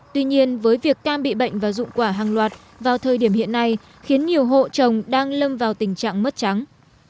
tuy nhiên với việc cam bị bệnh và dụng quả hàng loạt vào thời điểm hiện nay khiến nhiều hộ trồng đang lâm vào tình trạng mất trắng